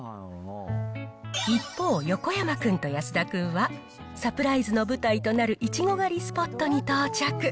一方、横山君と安田君は、サプライズの舞台となるいちご狩りスポットに到着。